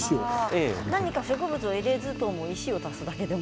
何か植物を入れずとも石を足すだけでも。